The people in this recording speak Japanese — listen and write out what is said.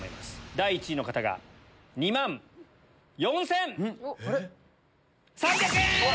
第１位の方が２万４千３００円！